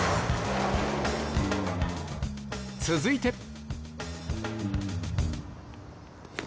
続いて。